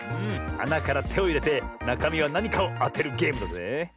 あなからてをいれてなかみはなにかをあてるゲームだぜえ。